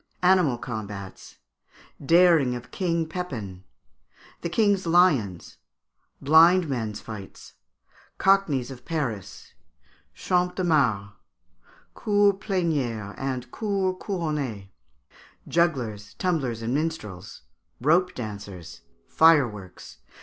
Animal Combats. Daring of King Pepin. The King's Lions. Blind Men's Fights. Cockneys of Paris. Champ de Mars. Cours Plénières and Cours Couronnées. Jugglers, Tumblers, and Minstrels. Rope dancers. Fireworks.